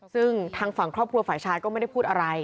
ซึ่งทางฝั่งครอบครัวฝ่ายชายก็ไม่ได้พูดอะไร